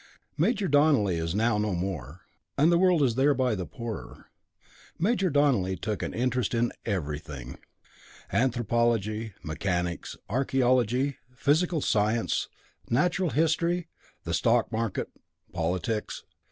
Major Donelly is now no more, and the world is thereby the poorer. Major Donelly took an interest in everything anthropology, mechanics, archæology, physical science, natural history, the stock market, politics.